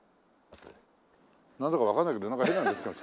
なんだかわかんないけどなんか変に。